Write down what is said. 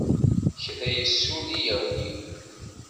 Kra yessuli yeɣli.